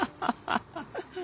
ハハハハ！